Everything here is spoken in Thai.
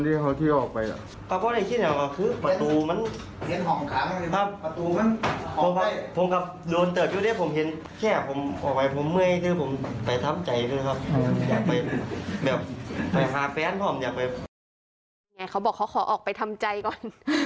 อย่างไรเขาบอกขอออกไปทำใจก่อน